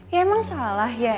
ya emang salah ya